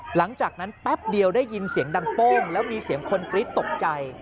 หลังจากนั้นแป๊บเดียวได้ยินเสียงดังโป้งแล้วมีเสียงคนกรี๊ดตกใจ